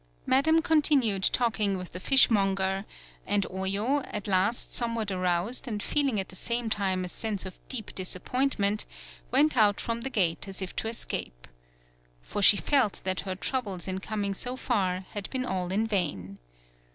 Madam continued talking with the fishermonger, and Oyo, at last somewhat aroused and feeling at the same time a sense of deep disappoint ment, went out from the gate as if to escape. For she felt that her troubles in coming so far had been all in vain.